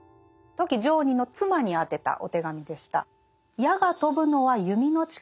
富木常忍の妻に宛てたお手紙でした。